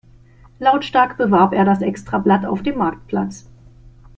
Lautstark bewarb er das Extrablatt auf dem Marktplatz.